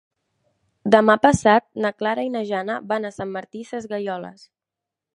Demà passat na Clara i na Jana van a Sant Martí Sesgueioles.